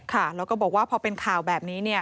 ค่ะแล้วก็บอกว่าพอเป็นข่าวแบบนี้เนี่ย